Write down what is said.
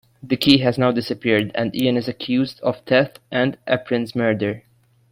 The Key has now disappeared and Ian is accused of theft and Eprin's murder.